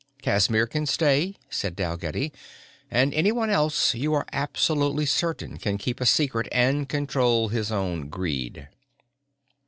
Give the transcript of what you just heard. "Casimir can stay," said Dalgetty, "and anyone else you are absolutely certain can keep a secret and control his own greed."